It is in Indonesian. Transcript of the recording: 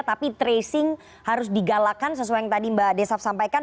tapi tracing harus digalakan sesuai yang tadi mbak desaf sampaikan